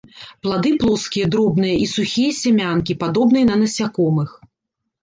Плады плоскія, дробныя і сухія сямянкі, падобныя на насякомых.